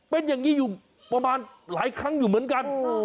เป็นอย่างนี้อยู่ประมาณหลายครั้งอยู่เหมือนกัน